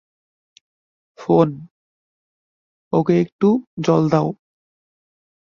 Phone-- -okay একটু জল দাও!